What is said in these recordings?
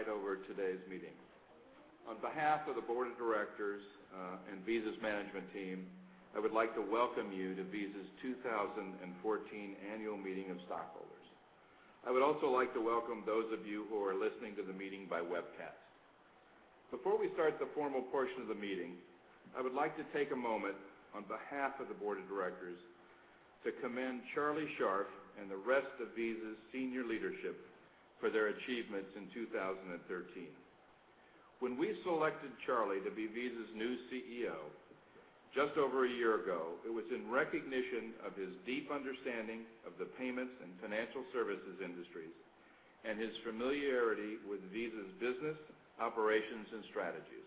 -side over today's meeting. On behalf of the Board of Directors and Visa's management team, I would like to welcome you to Visa's 2014 Annual Meeting of Stockholders. I would also like to welcome those of you who are listening to the meeting by webcast. Before we start the formal portion of the meeting, I would like to take a moment on behalf of the Board of Directors to commend Charlie Scharf and the rest of Visa's senior leadership for their achievements in 2013. When we selected Charlie to be Visa's new CEO just over a year ago, it was in recognition of his deep understanding of the payments and financial services industries and his familiarity with Visa's business operations and strategies.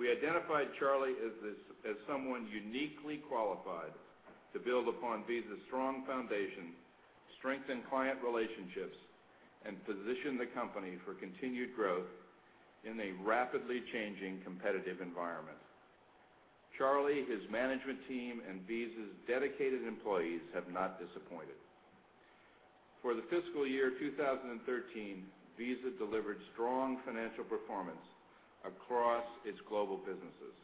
We identified Charlie as someone uniquely qualified to build upon Visa's strong foundation, strengthen client relationships, and position the company for continued growth in a rapidly changing competitive environment. Charlie, his management team, and Visa's dedicated employees have not disappointed. For the fiscal year 2013, Visa delivered strong financial performance across its global businesses.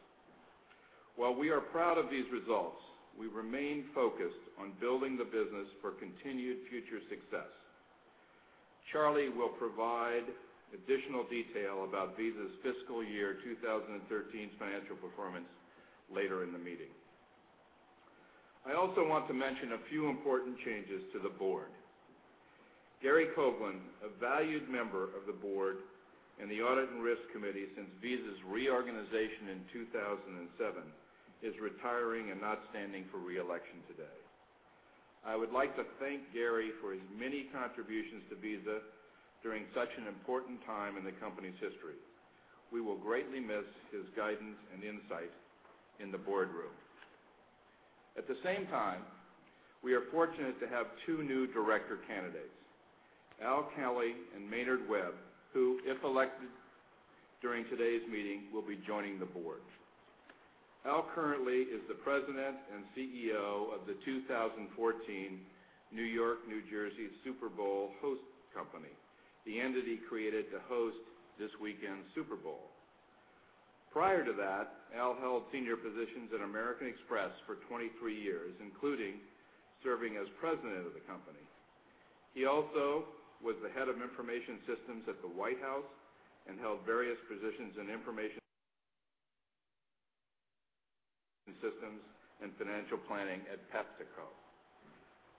While we are proud of these results, we remain focused on building the business for continued future success. Charlie will provide additional detail about Visa's fiscal year 2013's financial performance later in the meeting. I also want to mention a few important changes to the Board. Gary Coughlin, a valued member of the Board and the audit and risk committee since Visa's reorganization in 2007, is retiring and not standing for re-election today. I would like to thank Gary for his many contributions to Visa during such an important time in the company's history. We will greatly miss his guidance and insight in the boardroom. At the same time, we are fortunate to have two new Director candidates, Al Kelly and Maynard Webb, who, if elected during today's meeting, will be joining the Board. Al currently is the President and CEO of the 2014 New York/New Jersey Super Bowl Host Committee, the entity created to host this weekend's Super Bowl. Prior to that, Al held senior positions at American Express for 23 years, including serving as President of the company. He also was the head of information systems at the White House and held various positions in information systems and financial planning at PepsiCo.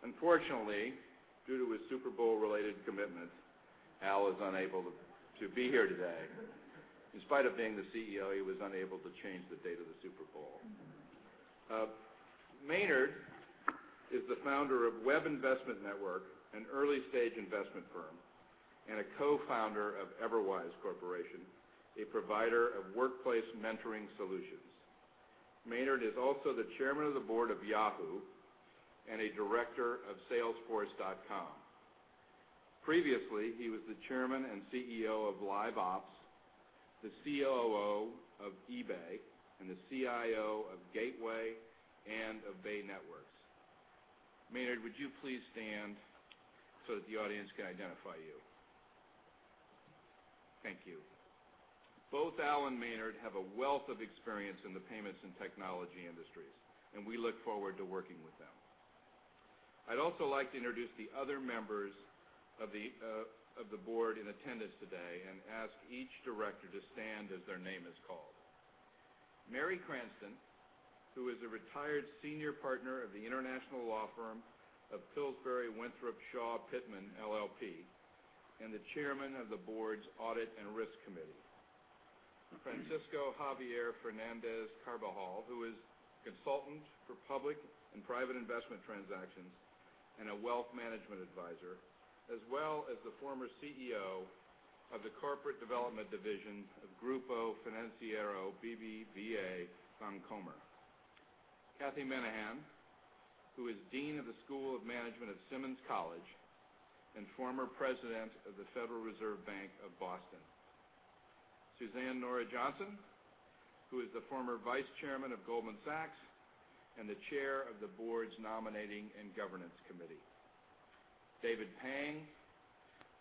Unfortunately, due to his Super Bowl-related commitments, Al is unable to be here today. In spite of being the CEO, he was unable to change the date of the Super Bowl. Maynard is the founder of Webb Investment Network, an early-stage investment firm, and a co-founder of Everwise Corporation, a provider of workplace mentoring solutions. Maynard is also the Chairman of the Board of Yahoo and a Director of Salesforce.com. Previously, he was the Chairman and COO of eBay, and the CIO of Gateway and of Bay Networks. Maynard, would you please stand so that the audience can identify you? Thank you. Both Al and Maynard have a wealth of experience in the payments and technology industries, and we look forward to working with them. I'd also like to introduce the other members of the Board in attendance today and ask each Director to stand as their name is called. Mary Cranston, who is a retired senior partner of the international law firm of Pillsbury Winthrop Shaw Pittman LLP and the chairman of the board's audit and risk committee. Francisco Javier Fernández-Carbajal, who is a consultant for public and private investment transactions and a wealth management advisor, as well as the former CEO of the corporate development division of Grupo Financiero BBVA Bancomer. Cathy Minehan, who is Dean of the School of Management at Simmons College and former president of the Federal Reserve Bank of Boston. Suzanne Nora Johnson, who is the former vice chairman of Goldman Sachs and the chair of the board's nominating and governance committee. David Pang,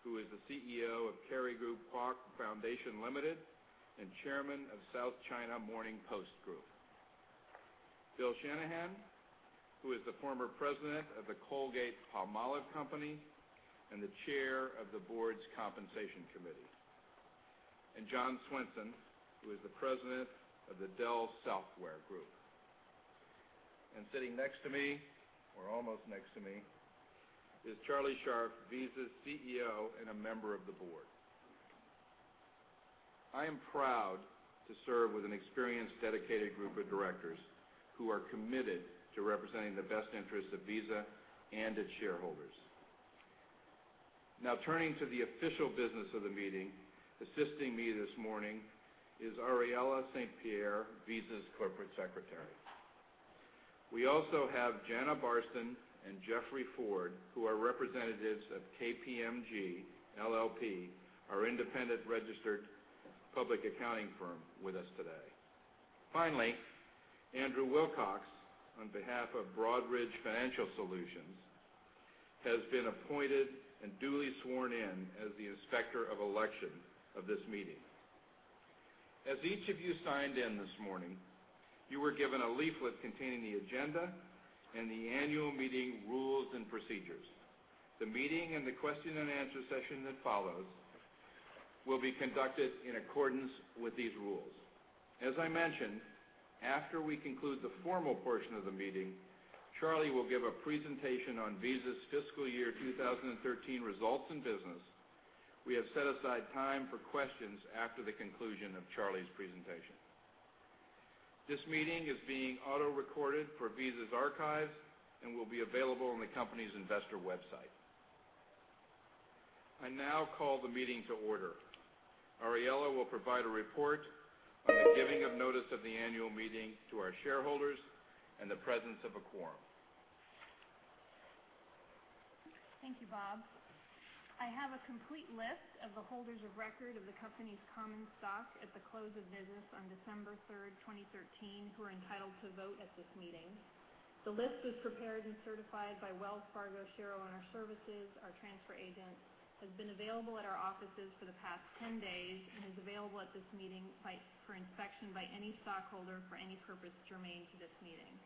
who is the CEO of Kerry Group Kuok Foundation Limited and chairman of South China Morning Post Group. Bill Shanahan, who is the former president of the Colgate-Palmolive Company and the chair of the board's compensation committee. John Swainson, who is the president of the Dell Software Group. Sitting next to me, or almost next to me, is Charlie Scharf, Visa's CEO and a member of the board. I am proud to serve with an experienced, dedicated group of directors who are committed to representing the best interests of Visa and its shareholders. Now turning to the official business of the meeting, assisting me this morning is Ariella St. Pierre, Visa's corporate secretary. We also have Jana Barston and Jeffrey Ford, who are representatives of KPMG LLP, our independent registered public accounting firm, with us today. Finally, Andrew Wilcox, on behalf of Broadridge Financial Solutions, has been appointed and duly sworn in as the Inspector of Election of this meeting. As each of you signed in this morning, you were given a leaflet containing the agenda and the annual meeting rules and procedures. The meeting and the question and answer session that follows will be conducted in accordance with these rules. As I mentioned, after we conclude the formal portion of the meeting, Charlie will give a presentation on Visa's fiscal year 2013 results and business. We have set aside time for questions after the conclusion of Charlie's presentation. This meeting is being auto-recorded for Visa's archive and will be available on the company's investor website. I now call the meeting to order. Ariella will provide a report on the giving of notice of the annual meeting to our shareholders and the presence of a quorum. Thank you, Bob. I have a complete list of the holders of record of the company's common stock at the close of business on December 3, 2013, who are entitled to vote at this meeting. The list was prepared and certified by Wells Fargo Shareowner Services, our transfer agent, has been available at our offices for the past 10 days, and is available at this meeting for inspection by any stockholder for any purpose germane to this meeting.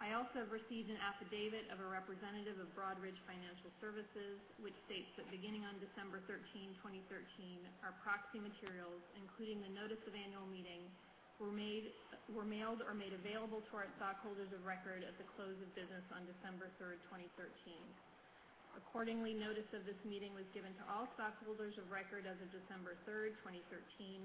I also have received an affidavit of a representative of Broadridge Financial Solutions, which states that beginning on December 13, 2013, our proxy materials, including the notice of annual meeting, were mailed or made available to our stockholders of record at the close of business on December 3, 2013. Accordingly, notice of this meeting was given to all stockholders of record as of December 3, 2013.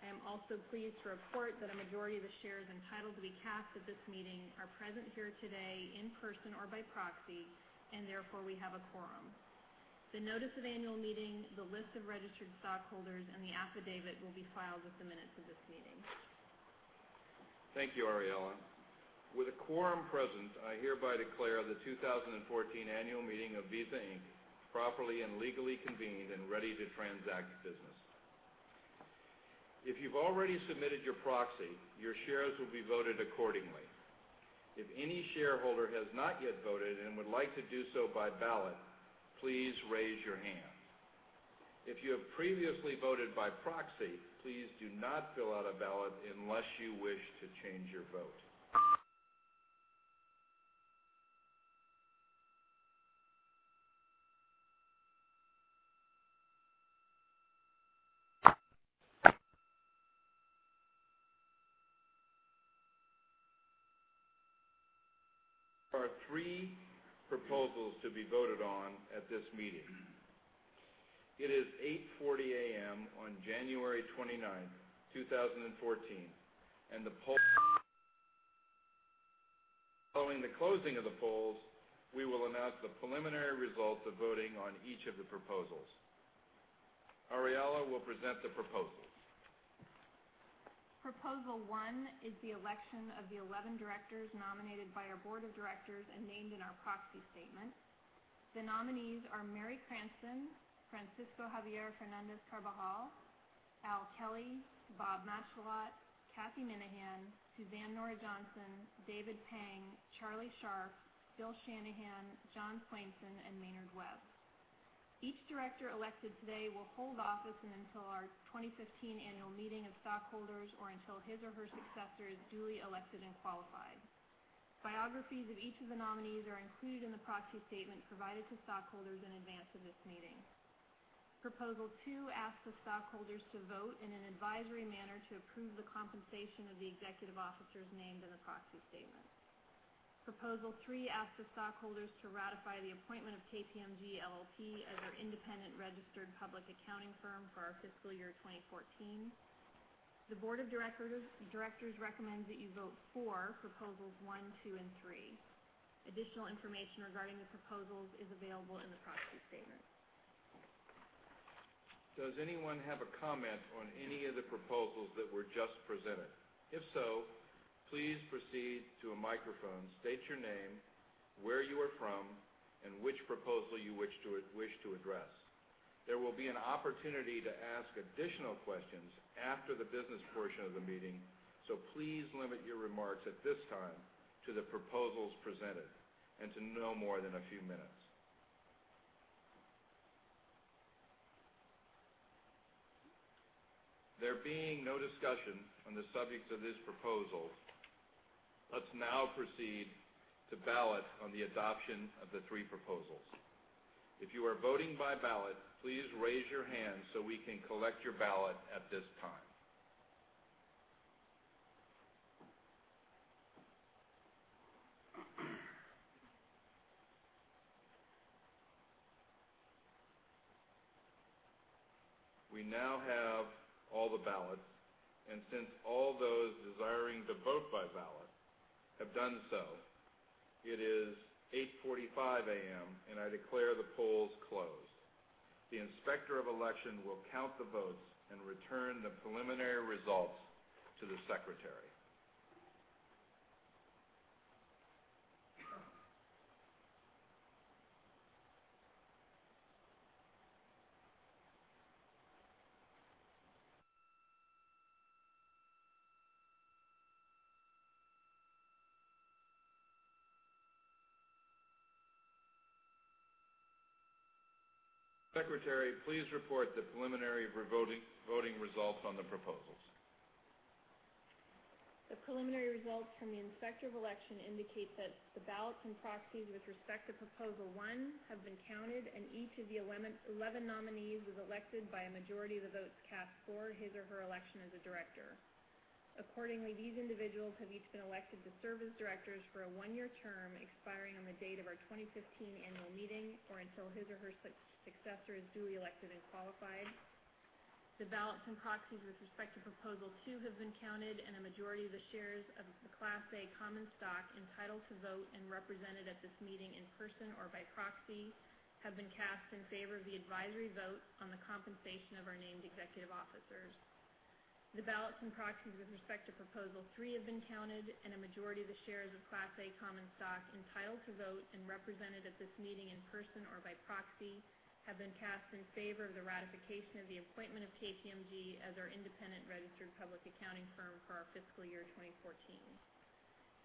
I am also pleased to report that a majority of the shares entitled to be cast at this meeting are present here today in person or by proxy, and therefore, we have a quorum. The notice of annual meeting, the list of registered stockholders, and the affidavit will be filed with the minutes of this meeting. Thank you, Ariella. With a quorum present, I hereby declare the 2014 annual meeting of Visa Inc. properly and legally convened and ready to transact business. If you've already submitted your proxy, your shares will be voted accordingly. If any shareholder has not yet voted and would like to do so by ballot, please raise your hand. If you have previously voted by proxy, please do not fill out a ballot unless you wish to change your vote. There are three proposals to be voted on at this meeting. It is 8:40 A.M. on January 29, 2014. Following the closing of the polls, we will announce the preliminary results of voting on each of the proposals. Ariella will present the proposals. Proposal one is the election of the 11 directors nominated by our Board of Directors and named in our proxy statement. The nominees are Mary Cranston, Francisco Javier Fernández-Carbajal, Al Kelly, Bob Matschullat, Cathy Minehan, Suzanne Nora Johnson, David Pang, Charlie Scharf, Bill Shanahan, John Swainson, and Maynard Webb. Each director elected today will hold office until our 2015 annual meeting of stockholders or until his or her successor is duly elected and qualified. Biographies of each of the nominees are included in the proxy statement provided to stockholders in advance of this meeting. Proposal two asks the stockholders to vote in an advisory manner to approve the compensation of the executive officers named in the proxy statement. Proposal three asks the stockholders to ratify the appointment of KPMG LLP as our independent registered public accounting firm for our fiscal year 2014. The Board of Directors recommends that you vote for proposals one, two, and three. Additional information regarding the proposals is available in the proxy statement. Does anyone have a comment on any of the proposals that were just presented? If so, please proceed to a microphone, state your name, where you are from, and which proposal you wish to address. There will be an opportunity to ask additional questions after the business portion of the meeting, so please limit your remarks at this time to the proposals presented and to no more than a few minutes. There being no discussion on the subjects of this proposal, let's now proceed to ballot on the adoption of the 3 proposals. If you are voting by ballot, please raise your hand so we can collect your ballot at this time. We now have all the ballots, and since all those desiring to vote by ballot have done so, it is 8:45 A.M., and I declare the polls closed. The Inspector of Election will count the votes and return the preliminary results to the secretary. Secretary, please report the preliminary voting results on the proposals. The preliminary results from the Inspector of Election indicate that the ballots and proxies with respect to proposal 1 have been counted, and each of the 11 nominees was elected by a majority of the votes cast for his or her election as a director. Accordingly, these individuals have each been elected to serve as directors for a one-year term expiring on the date of our 2015 annual meeting, or until his or her successor is duly elected and qualified. The ballots and proxies with respect to proposal 2 have been counted, and a majority of the shares of the Class A common stock entitled to vote and represented at this meeting in person or by proxy have been cast in favor of the advisory vote on the compensation of our named executive officers. The ballots and proxies with respect to proposal 3 have been counted, and a majority of the shares of Class A common stock entitled to vote and represented at this meeting in person or by proxy have been cast in favor of the ratification of the appointment of KPMG as our independent registered public accounting firm for our fiscal year 2014.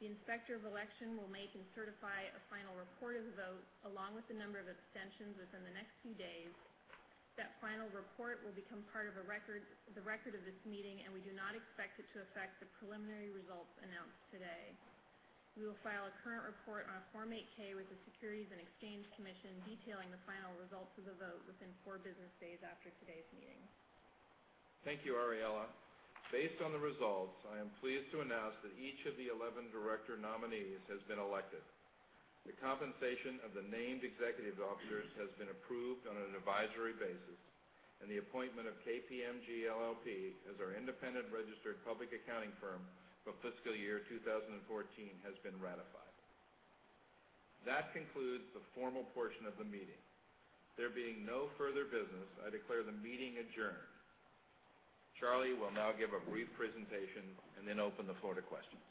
The Inspector of Election will make and certify a final report of the vote, along with the number of abstentions within the next few days. That final report will become part of the record of this meeting, and we do not expect it to affect the preliminary results announced today. We will file a current report on a Form 8-K with the Securities and Exchange Commission detailing the final results of the vote within 4 business days after today's meeting. Thank you, Ariella. Based on the results, I am pleased to announce that each of the 11 director nominees has been elected. The compensation of the named executive officers has been approved on an advisory basis, and the appointment of KPMG LLP as our independent registered public accounting firm for fiscal year 2014 has been ratified. That concludes the formal portion of the meeting. There being no further business, I declare the meeting adjourned. Charlie will now give a brief presentation and then open the floor to questions.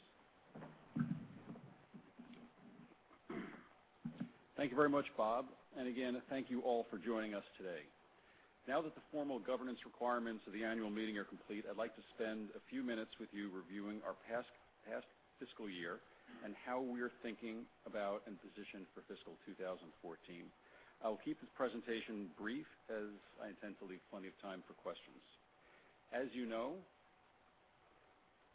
Thank you very much, Bob. Again, thank you all for joining us today. Now that the formal governance requirements of the annual meeting are complete, I'd like to spend a few minutes with you reviewing our past fiscal year and how we're thinking about and positioned for fiscal 2014. I'll keep this presentation brief, as I intend to leave plenty of time for questions. As you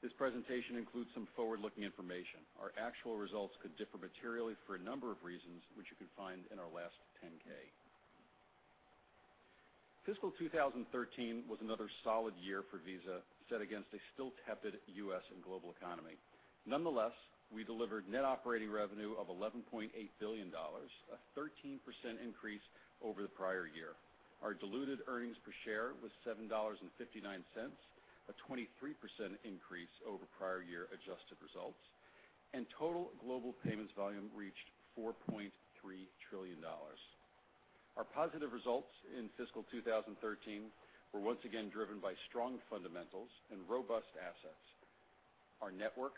know, this presentation includes some forward-looking information. Our actual results could differ materially for a number of reasons, which you can find in our last 10-K. Fiscal 2013 was another solid year for Visa, set against a still tepid U.S. and global economy. Nonetheless, we delivered net operating revenue of $11.8 billion, a 13% increase over the prior year. Our diluted earnings per share was $7.59, a 23% increase over prior year adjusted results, and total global payments volume reached $4.3 trillion. Our positive results in fiscal 2013 were once again driven by strong fundamentals and robust assets. Our network,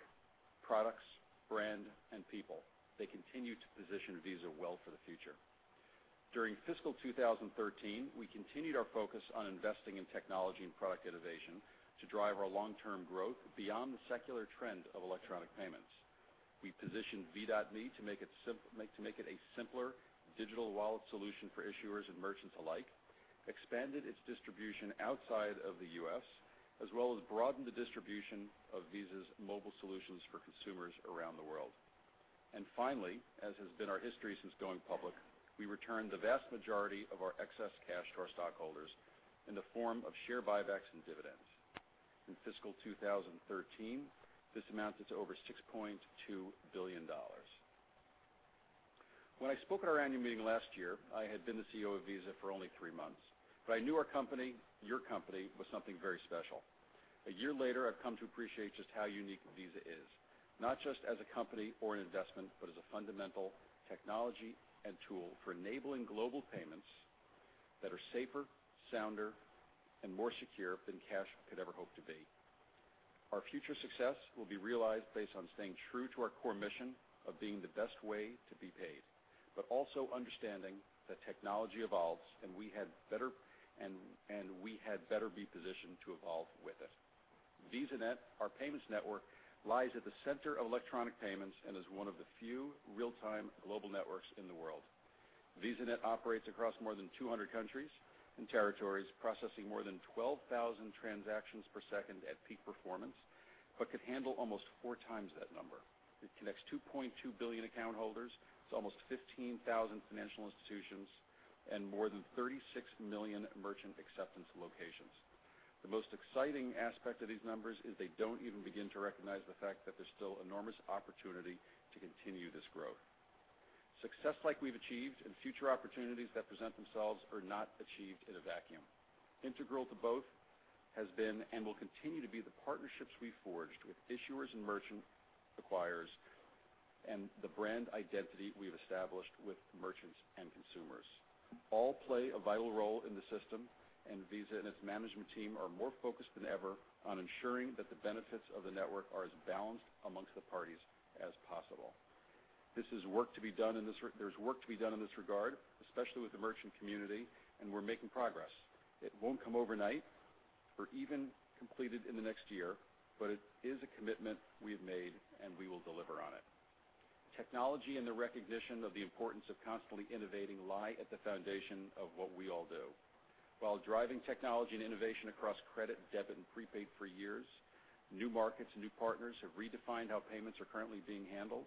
products, brand, and people, they continue to position Visa well for the future. During fiscal 2013, we continued our focus on investing in technology and product innovation to drive our long-term growth beyond the secular trend of electronic payments. We positioned V.me to make it a simpler digital wallet solution for issuers and merchants alike, expanded its distribution outside of the U.S., as well as broadened the distribution of Visa's mobile solutions for consumers around the world. Finally, as has been our history since going public, we returned the vast majority of our excess cash to our stockholders in the form of share buybacks and dividends. In fiscal 2013, this amounted to over $6.2 billion. When I spoke at our annual meeting last year, I had been the CEO of Visa for only three months. I knew our company, your company, was something very special. A year later, I've come to appreciate just how unique Visa is, not just as a company or an investment, but as a fundamental technology and tool for enabling global payments that are safer, sounder, and more secure than cash could ever hope to be. Our future success will be realized based on staying true to our core mission of being the best way to be paid, but also understanding that technology evolves and we had better be positioned to evolve with it. VisaNet, our payments network, lies at the center of electronic payments and is one of the few real-time global networks in the world. VisaNet operates across more than 200 countries and territories, processing more than 12,000 transactions per second at peak performance but could handle almost four times that number. It connects 2.2 billion account holders to almost 15,000 financial institutions and more than 36 million merchant acceptance locations. The most exciting aspect of these numbers is they don't even begin to recognize the fact that there's still enormous opportunity to continue this growth. Success like we've achieved and future opportunities that present themselves are not achieved in a vacuum. Integral to both has been and will continue to be the partnerships we forged with issuers and merchant acquirers and the brand identity we've established with merchants and consumers. All play a vital role in the system, and Visa and its management team are more focused than ever on ensuring that the benefits of the network are as balanced amongst the parties as possible. This is work to be done, and there's work to be done in this regard, especially with the merchant community, and we're making progress. It won't come overnight or even be completed in the next year, but it is a commitment we have made, and we will deliver on it. Technology and the recognition of the importance of constantly innovating lie at the foundation of what we all do. While driving technology and innovation across credit, debit, and prepaid for years, new markets and new partners have redefined how payments are currently being handled,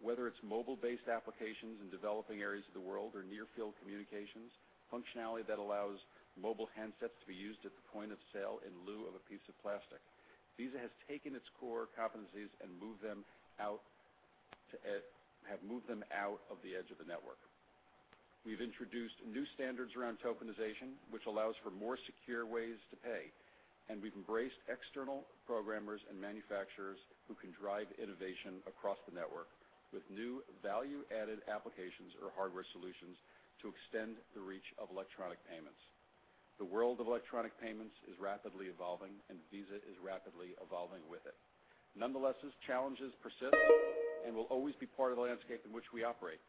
whether it's mobile-based applications in developing areas of the world or near-field communication, functionality that allows mobile handsets to be used at the point of sale in lieu of a piece of plastic. Visa has taken its core competencies and have moved them out of the edge of the network. We've introduced new standards around tokenization, which allows for more secure ways to pay, and we've embraced external programmers and manufacturers who can drive innovation across the network with new value-added applications or hardware solutions to extend the reach of electronic payments. The world of electronic payments is rapidly evolving, and Visa is rapidly evolving with it. Nonetheless, challenges persist and will always be part of the landscape in which we operate.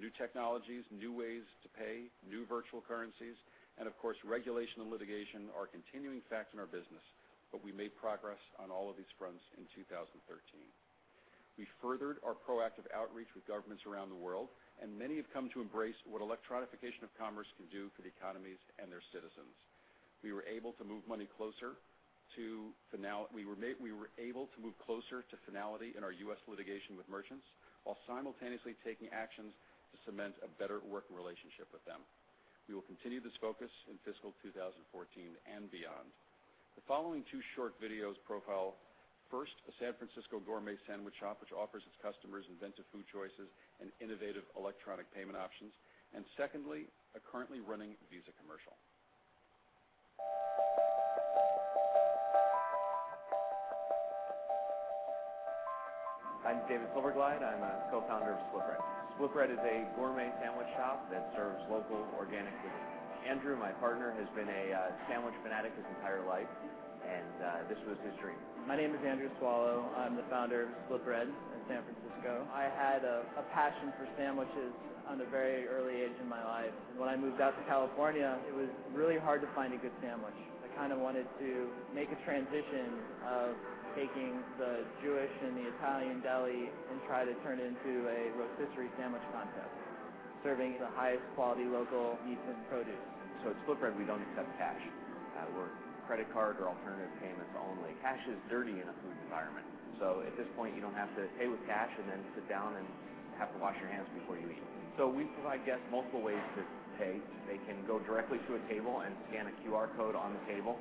New technologies, new ways to pay, new virtual currencies, and of course, regulation and litigation are a continuing fact in our business, but we made progress on all of these fronts in 2013. We furthered our proactive outreach with governments around the world, and many have come to embrace what electronification of commerce can do for the economies and their citizens. We were able to move closer to finality in our U.S. litigation with merchants while simultaneously taking actions to cement a better working relationship with them. We will continue this focus in fiscal 2014 and beyond. The following two short videos profile, first, a San Francisco gourmet sandwich shop, which offers its customers inventive food choices and innovative electronic payment options, and secondly, a currently running Visa commercial. I'm David Silverglide. I'm a co-founder of Split Bread. Split Bread is a gourmet sandwich shop that serves local, organic food. Andrew, my partner, has been a sandwich fanatic his entire life, and this was his dream. My name is Andrew Swallow. I'm the founder of Split Bread in San Francisco. I had a passion for sandwiches at a very early age in my life. When I moved out to California, it was really hard to find a good sandwich. I wanted to make a transition of taking the Jewish and the Italian deli and try to turn it into a rotisserie sandwich concept, serving the highest quality local meats and produce. At Split Bread, we don't accept cash. We're credit card or alternative payments only. Cash is dirty in a food environment. At this point, you don't have to pay with cash and then sit down and have to wash your hands before you eat. We provide guests multiple ways to pay. They can go directly to a table and scan a QR code on the table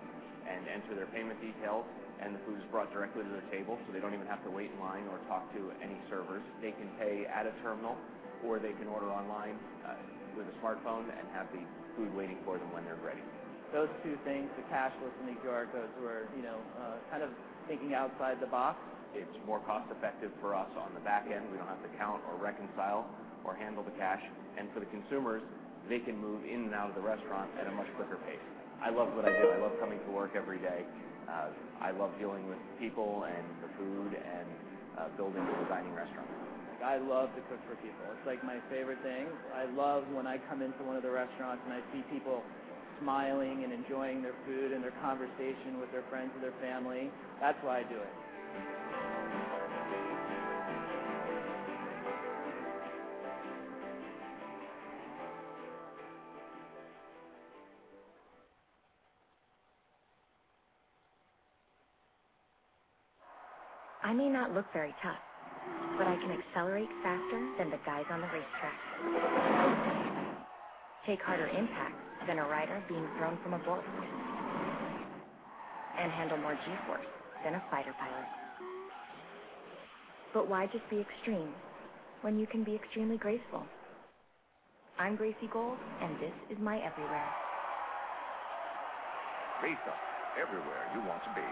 and enter their payment details, and the food is brought directly to their table, so they don't even have to wait in line or talk to any servers. They can pay at a terminal, or they can order online with a smartphone and have the food waiting for them when they're ready. Those two things, the cashless and the QR codes were kind of thinking outside the box. It's more cost-effective for us on the back end. We don't have to count or reconcile or handle the cash. For the consumers, they can move in and out of the restaurant at a much quicker pace. I love what I do. I love coming to work every day. I love dealing with people and the food and building and designing restaurants. I love to cook for people. It's my favorite thing. I love when I come into one of the restaurants, and I see people smiling and enjoying their food and their conversation with their friends or their family. That's why I do it. I may not look very tough, but I can accelerate faster than the guys on the racetrack, take harder impacts than a rider being thrown from a bull, and handle more G-Force than a fighter pilot. Why just be extreme when you can be extremely graceful? I'm Gracie Gold, and this is my everywhere. Visa, everywhere you want to be.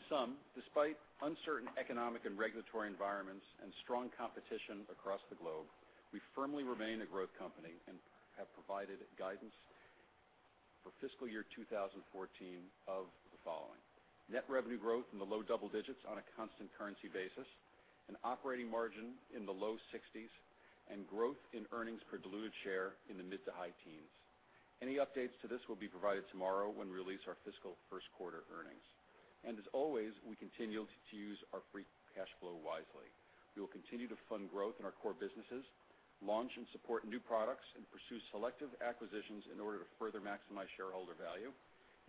In sum, despite uncertain economic and regulatory environments and strong competition across the globe, we firmly remain a growth company and have provided guidance for fiscal year 2014 of the following: net revenue growth in the low double digits on a constant currency basis, an operating margin in the low 60s, and growth in earnings per diluted share in the mid to high teens. Any updates to this will be provided tomorrow when we release our fiscal first-quarter earnings. As always, we continue to use our free cash flow wisely. We will continue to fund growth in our core businesses, launch and support new products, and pursue selective acquisitions in order to further maximize shareholder value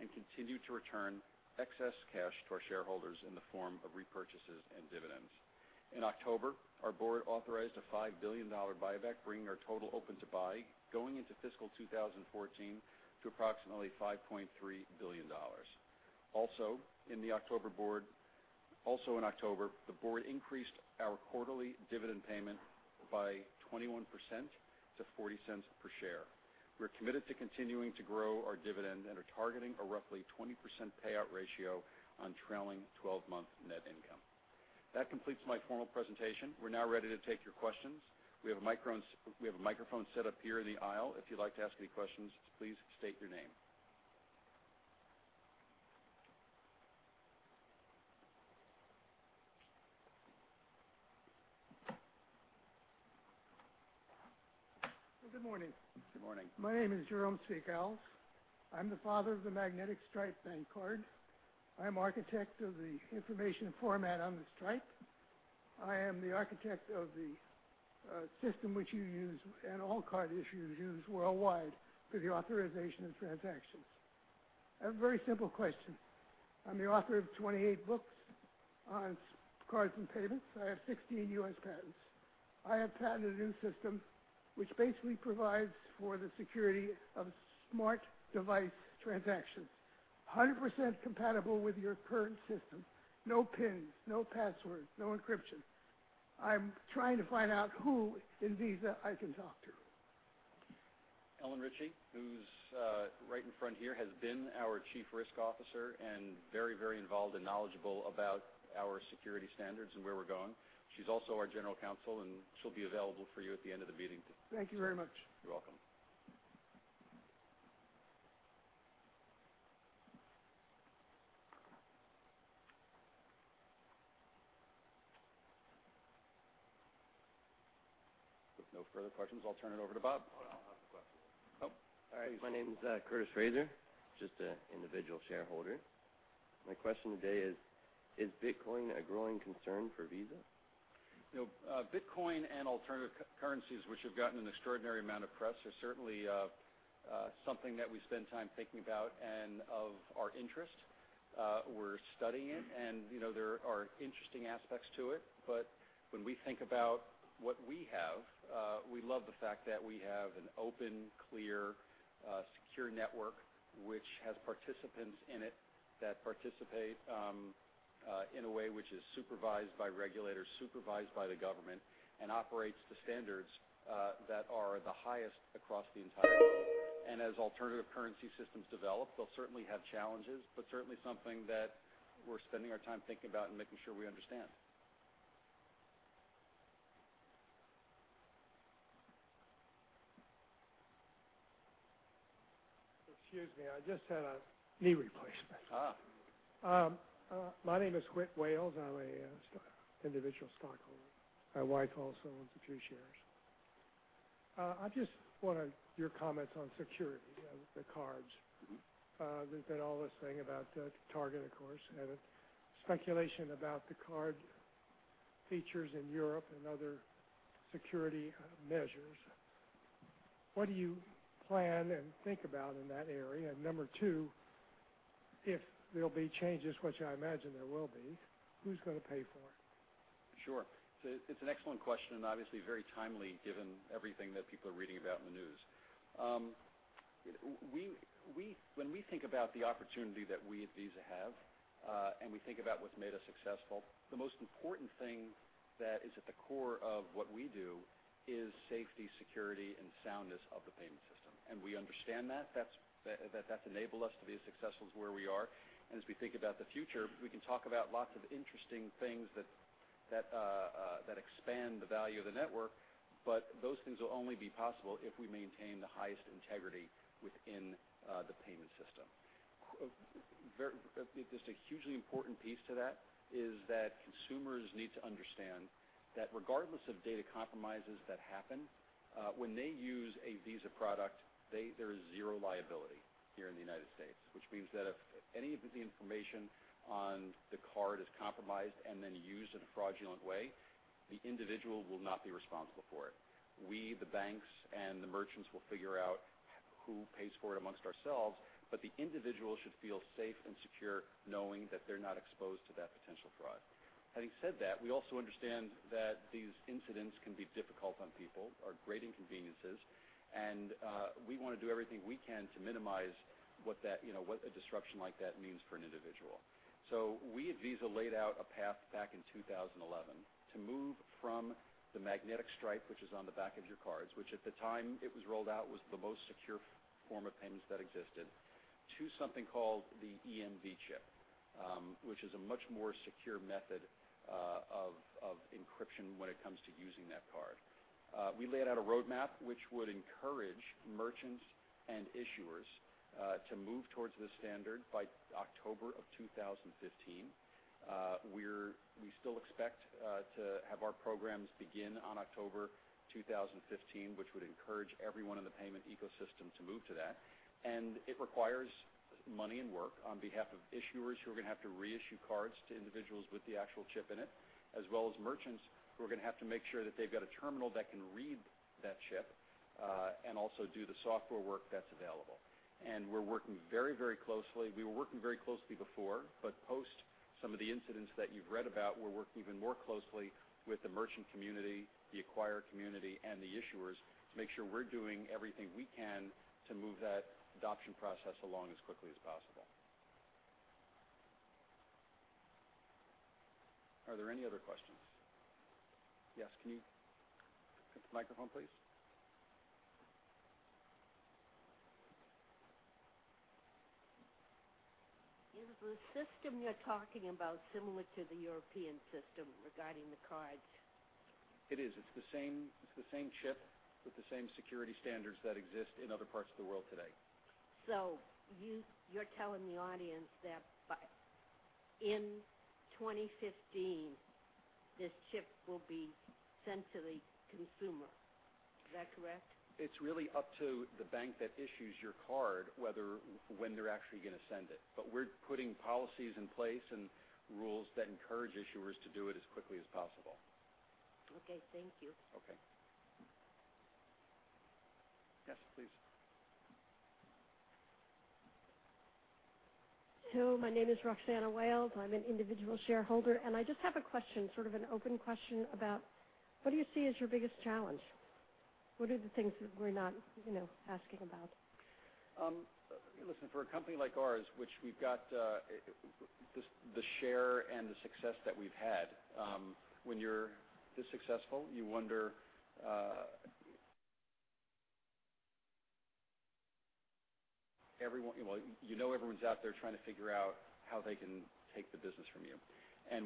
and continue to return excess cash to our shareholders in the form of repurchases and dividends. In October, our board authorized a $5 billion buyback, bringing our total open to buy going into fiscal 2014 to approximately $5.3 billion. Also in October, the board increased our quarterly dividend payment by 21% to $0.40 per share. We're committed to continuing to grow our dividend and are targeting a roughly 20% payout ratio on trailing 12-month net income. That completes my formal presentation. We're now ready to take your questions. We have a microphone set up here in the aisle. If you'd like to ask any questions, please state your name. Good morning. Good morning. My name is Jerome Svigals. I'm the father of the magnetic stripe bank card. I am architect of the information format on the stripe. I am the architect of the system which you use, and all card issuers use worldwide for the authorization of transactions. I have a very simple question. I'm the author of 28 books on cards and payments. I have 16 U.S. patents. I have patented a new system which basically provides for the security of smart device transactions, 100% compatible with your current system, no PINs, no passwords, no encryption. I'm trying to find out who in Visa I can talk to. Ellen Richey, who's right in front here, has been our Chief Risk Officer and very involved and knowledgeable about our security standards and where we're going. She's also our General Counsel, she'll be available for you at the end of the meeting today. Thank you very much. You're welcome. If no further questions, I'll turn it over to Bob. Hold on, I'll have a question. Oh. All right. My name's Curtis Fraser, just a individual shareholder. My question today is Bitcoin a growing concern for Visa? Bitcoin and alternative currencies, which have gotten an extraordinary amount of press, are certainly something that we spend time thinking about and of our interest. We're studying it, and there are interesting aspects to it. When we think about what we have, we love the fact that we have an open, clear, secure network, which has participants in it that participate in a way which is supervised by regulators, supervised by the government, and operates to standards that are the highest across the entire globe. As alternative currency systems develop, they'll certainly have challenges, but certainly something that we're spending our time thinking about and making sure we understand. Excuse me, I just had a knee replacement. My name is Whit Wales. I'm a individual stockholder. My wife also owns a few shares. I just wanted your comments on security of the cards. There's been all this thing about Target, of course, and speculation about the card features in Europe and other security measures. What do you plan and think about in that area? Number two, if there'll be changes, which I imagine there will be, who's going to pay for it? Sure. It's an excellent question, obviously very timely given everything that people are reading about in the news. When we think about the opportunity that we at Visa have, we think about what's made us successful, the most important thing that is at the core of what we do is safety, security, and soundness of the payment system. We understand that. That's enabled us to be as successful as where we are. As we think about the future, we can talk about lots of interesting things that expand the value of the network, those things will only be possible if we maintain the highest integrity within the payment system. Just a hugely important piece to that is that consumers need to understand that regardless of data compromises that happen, when they use a Visa product, there is zero liability here in the U.S., which means that if any of the information on the card is compromised and then used in a fraudulent way, the individual will not be responsible for it. We, the banks, and the merchants will figure out who pays for it amongst ourselves, the individual should feel safe and secure knowing that they're not exposed to that potential fraud. Having said that, we also understand that these incidents can be difficult on people, are great inconveniences, we want to do everything we can to minimize what a disruption like that means for an individual. We at Visa laid out a path back in 2011 to move from the magnetic stripe, which is on the back of your cards, which at the time it was rolled out was the most secure form of payments that existed, to something called the EMV chip, which is a much more secure method of encryption when it come to using that card. We laid out a roadmap which would encourage merchants and issuers to move towards this standard by October of 2015. We still expect to have our programs begin on October 2015, which would encourage everyone in the payment ecosystem to move to that. It requires money and work on behalf of issuers who are going to have to reissue cards to individuals with the actual chip in it, as well as merchants who are going to have to make sure that they've got a terminal that can read that chip, and also do the software work that's available. We're working very closely. We were working very closely before, but post some of the incidents that you've read about, we're working even more closely with the merchant community, the acquirer community, and the issuers to make sure we're doing everything we can to move that adoption process along as quickly as possible. Are there any other questions? Yes. Can you take the microphone, please? Is the system you're talking about similar to the European system regarding the cards? It is. It's the same chip with the same security standards that exist in other parts of the world today. You're telling the audience that in 2015, this chip will be sent to the consumer. Is that correct? It's really up to the bank that issues your card when they're actually going to send it. We're putting policies in place and rules that encourage issuers to do it as quickly as possible. Okay. Thank you. Okay. Yes, please. Hello, my name is Roxanna Wales. I'm an individual shareholder. I just have a question, sort of an open question about what do you see as your biggest challenge? What are the things that we're not asking about? Listen, for a company like ours, which we've got the share and the success that we've had, when you're this successful, you wonder, you know everyone's out there trying to figure out how they can take the business from you.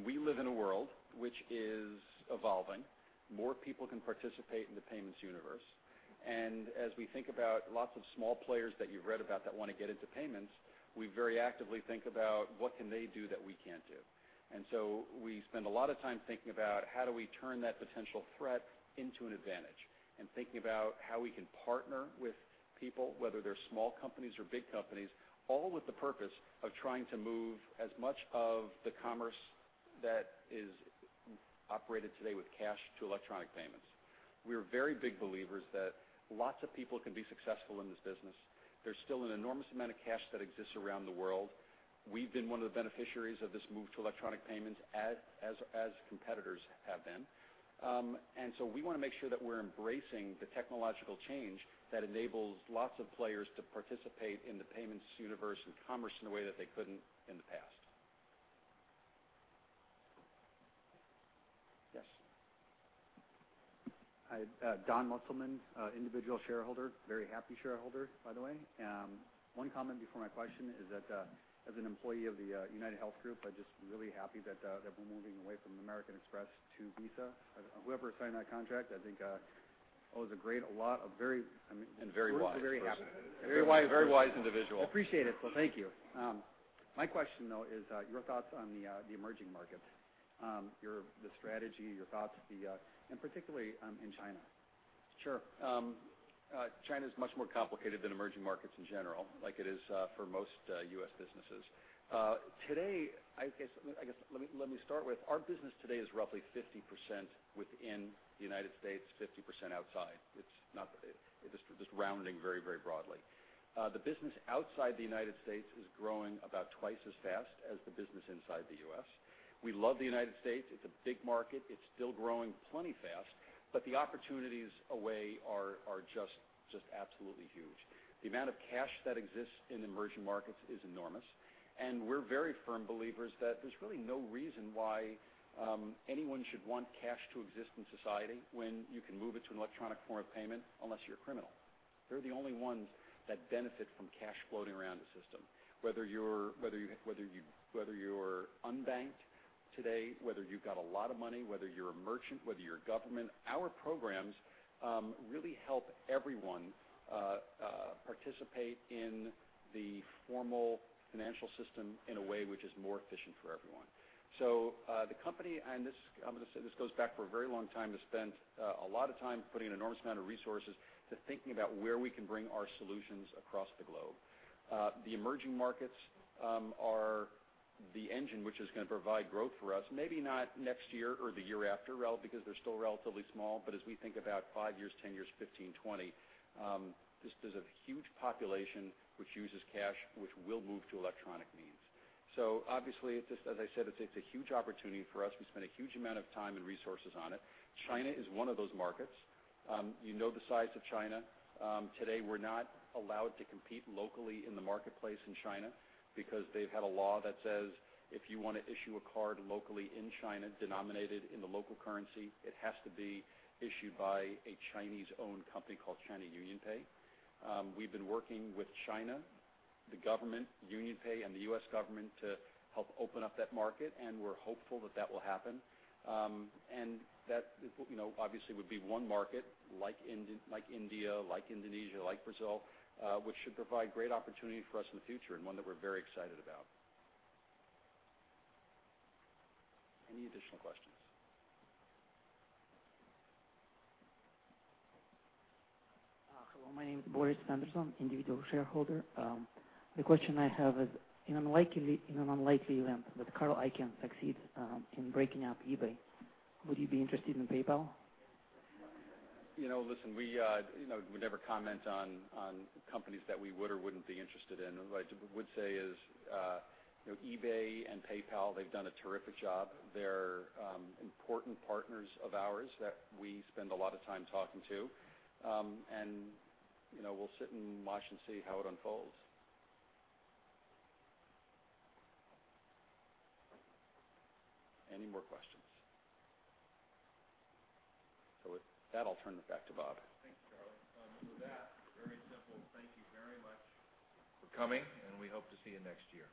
We live in a world which is evolving. More people can participate in the payments universe. As we think about lots of small players that you've read about that want to get into payments, we very actively think about what can they do that we can't do. We spend a lot of time thinking about how do we turn that potential threat into an advantage, and thinking about how we can partner with people, whether they're small companies or big companies, all with the purpose of trying to move as much of the commerce that is operated today with cash to electronic payments. We are very big believers that lots of people can be successful in this business. There's still an enormous amount of cash that exists around the world. We've been one of the beneficiaries of this move to electronic payments, as competitors have been. We want to make sure that we're embracing the technological change that enables lots of players to participate in the payments universe and commerce in a way that they couldn't in the past. Yes. Hi, Don Musselman individual shareholder, very happy shareholder, by the way. One comment before my question is that as an employee of the UnitedHealth Group, I'm just really happy that they've been moving away from American Express to Visa. Whoever signed that contract, I think owes a lot of very- Very wise. We're very happy. Very wise individual. Appreciate it. Thank you. My question, though, is your thoughts on the emerging markets, the strategy, your thoughts, and particularly in China. Sure. China's much more complicated than emerging markets in general, like it is for most U.S. businesses. Today, I guess let me start with our business today is roughly 50% within the United States, 50% outside. Just rounding very broadly. The business outside the United States is growing about twice as fast as the business inside the U.S. We love the United States. It's a big market. It's still growing plenty fast, but the opportunities away are just absolutely huge. The amount of cash that exists in emerging markets is enormous, and we're very firm believers that there's really no reason why anyone should want cash to exist in society when you can move it to an electronic form of payment unless you're a criminal. They're the only ones that benefit from cash floating around the system. Whether you're unbanked today, whether you've got a lot of money, whether you're a merchant, whether you're a government, our programs really help everyone participate in the formal financial system in a way which is more efficient for everyone. The company, and this goes back for a very long time, has spent a lot of time putting an enormous amount of resources to thinking about where we can bring our solutions across the globe. The emerging markets are the engine which is going to provide growth for us, maybe not next year or the year after, because they're still relatively small, but as we think about five years, 10 years, 15, 20, this is a huge population which uses cash, which will move to electronic means. Obviously, as I said, it's a huge opportunity for us. We spend a huge amount of time and resources on it. China is one of those markets. You know the size of China. Today, we're not allowed to compete locally in the marketplace in China because they've had a law that says if you want to issue a card locally in China denominated in the local currency, it has to be issued by a Chinese-owned company called China UnionPay. We've been working with China, the government, China UnionPay, and the U.S. government to help open up that market, and we're hopeful that that will happen. That obviously would be one market like India, like Indonesia, like Brazil which should provide great opportunity for us in the future, and one that we're very excited about. Any additional questions? Hello, my name is Boris Sanderson, individual shareholder. The question I have is, in an unlikely event that Carl Icahn succeeds in breaking up eBay, would you be interested in PayPal? Listen, we would never comment on companies that we would or wouldn't be interested in. What I would say is eBay and PayPal, they've done a terrific job. They're important partners of ours that we spend a lot of time talking to. We'll sit and watch and see how it unfolds. Any more questions? With that, I'll turn it back to Bob. Thanks, Charlie. With that, very simple thank you very much for coming, and we hope to see you next year.